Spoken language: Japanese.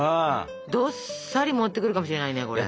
どっさり持ってくるかもしれないねこれ。